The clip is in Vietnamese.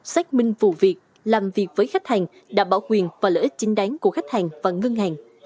xác minh vụ việc làm việc với khách hàng đảm bảo quyền và lợi ích chính đáng của khách hàng và ngân hàng